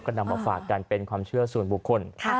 ก็นำมาฝากกันเป็นความเชื่อส่วนบุคคล